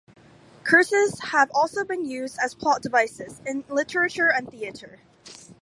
Curses have also been used as plot devices in literature and theater.